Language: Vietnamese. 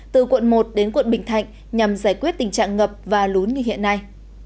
từ quận một đến quận bình thạnh nhằm giải quyết tình trạng ngập và lún như hiện nay